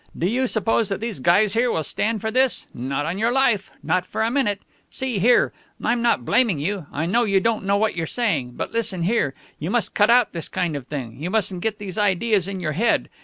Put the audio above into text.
Do you suppose that these guys here will stand for this? Not on your life. Not for a minute. See here. I'm not blaming you. I know you don't know what you're saying. But listen here. You must cut out this kind of thing. You mustn't get these ideas in your head.